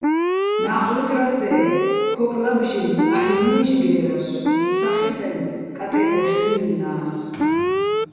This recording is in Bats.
ნა́ყვ ჲუიტრასე́, ქოკ ლაბჟინო̆ აჰ̦ო̆ ჲუჲჟგე́რასო̆, სა ხიტენო̆, კატე́კოშ ლი́ლნა́ს.